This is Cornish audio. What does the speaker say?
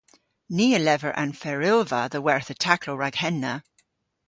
Ni a lever an ferylva dhe wertha taklow rag henna.